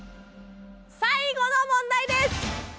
最後の問題です！